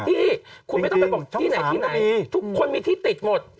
ทุกที่คุณไม่ต้องไปบอกที่ไหนทุกคนมีที่ติดหมด